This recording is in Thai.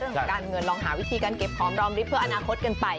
เรื่องของการเงินลองหาวิธีการเก็บพร้อมรอมริบเพื่ออนาคตกันไป